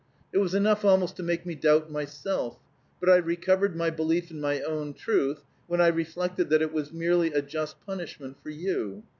"It was enough almost to make me doubt myself, but I recovered my belief in my own truth when I reflected that it was merely a just punishment for you.